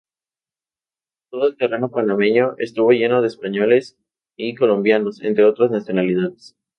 Todo el territorio Panameño, estuvo lleno de Españoles y Colombianos, entre otras nacionalidades.